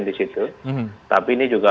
di situ tapi ini juga